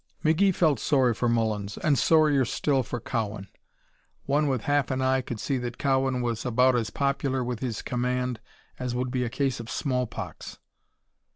McGee felt sorry for Mullins and sorrier still for Cowan. One with half an eye could see that Cowan was about as popular with his command as would be a case of smallpox.